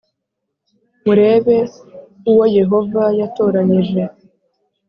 murebe uwo Yehova yatoranyije